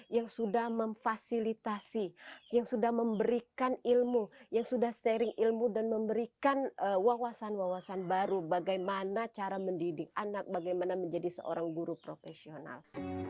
yang sudah memfasilitasi yang sudah memberikan ilmu yang sudah sharing ilmu dan memberikan wawasan wawasan baru bagaimana cara mendidik anak bagaimana menjadi seorang guru profesional